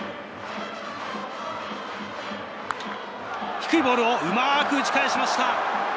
低いボールをうまく打ち返しました。